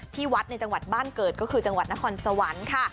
ที่วัดในจังหวัดบ้านเกิดก็คือจังหวัดนครสวรรค์ค่ะ